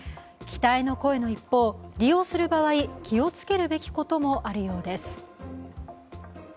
期待の声の一方、利用する場合、気をつけるべきこともあるようです。